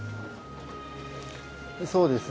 そうですね。